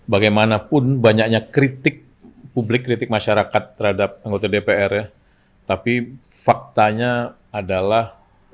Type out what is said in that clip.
bagaimanapun banyaknya kritik publik kritik masyarakat terhadap anggota dpr ya tapi faktanya adalah